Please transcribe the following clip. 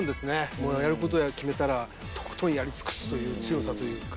もうやる事決めたらとことんやり尽くすという強さというか。